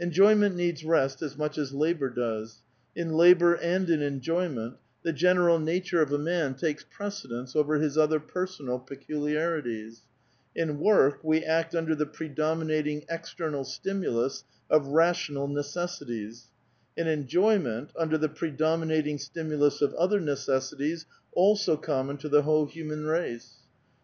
Knjoymeut needs rest as much as labor does. In labor and in enjoyment, the general natnre of a man takes precedence over his other personal peculiarities ; in work, we act under the predominating external stimulus of rational necessities ; in enjoyment, under the predominating stimulus of other necessities also common to the whole human race.